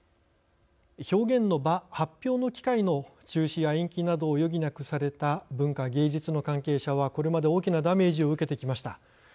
表現の場、発表の機会の中止や延期などを余儀なくされた文化芸術の関係者はこれまで大きなダメージを受けてきました。